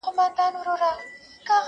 مار لا څه چي د پېړیو اژدهار وو!.